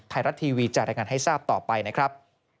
ไทยรัฐทีวีจะรายงานให้ทราบต่อไปนะครับ